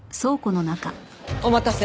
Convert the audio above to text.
お待たせ。